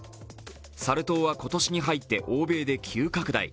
サル痘は今年に入って欧米で急拡大。